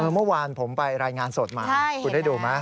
เมื่อวานผมไปรายงานสดมาคุณได้ดูไหม